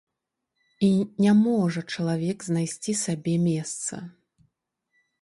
І не можа чалавек знайсці сабе месца.